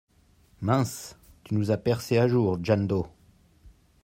Mince, tu nous as percé à jour Jañ-Do !